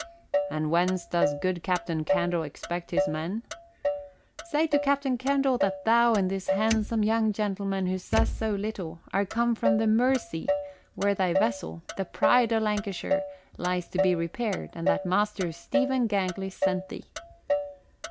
"And whence does good Captain Candle expect his men?" "Say to Captain Candle that thou and this handsome young gentleman who says so little are come from the Mersey, where thy vessel, the Pride o' Lancashire, lies to be repaired, and that Master Stephen Gangley sent thee."